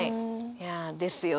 いや「ですよ」